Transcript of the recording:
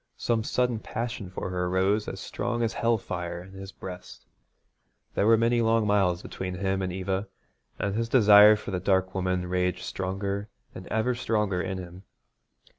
Some sudden passion for her rose as strong as hell fire in his breast. There were many long miles between him and Eva, and his desire for the dark woman raged stronger and ever stronger in him.